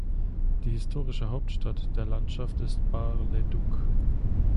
Die historische Hauptstadt der Landschaft ist Bar-le-Duc.